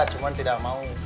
cuma tidak mau